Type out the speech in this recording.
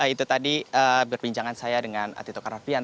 itu tadi berbincangan saya dengan ati tokar fdn